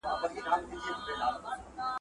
خو نه هسي چي زمری وو ځغلېدلی `